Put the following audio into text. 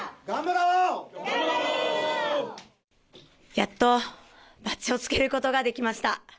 やっとバッジをつけることができました。